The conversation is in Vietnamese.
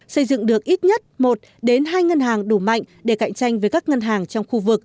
xây dựng được ít nhất một đến hai ngân hàng đủ mạnh để cạnh tranh với các ngân hàng trong khu vực